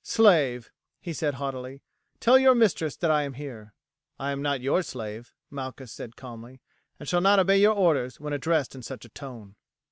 "Slave," he said haughtily, "tell your mistress that l am here." "I am not your slave," Malchus said calmly, "and shall not obey your orders when addressed in such a tone."